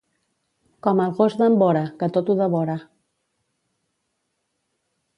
Com el gos d'en Bora, que tot ho devora.